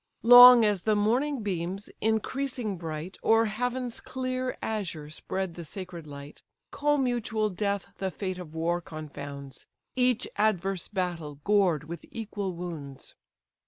Long as the morning beams, increasing bright, O'er heaven's clear azure spread the sacred light, Commutual death the fate of war confounds, Each adverse battle gored with equal wounds.